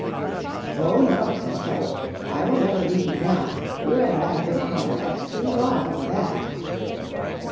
*'" Oh, no !" says Trouble, " I will never leave you now ; you and I have been comrades too long for that